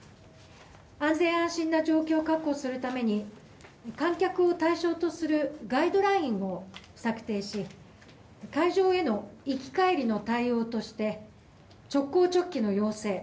安全・安心な状況を確保するために観客を対象とするガイドラインを策定し会場への行き帰りの対応として直行直帰の要請。